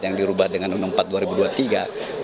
yang dirubah dengan undang undang empat dua ribu dua puluh tiga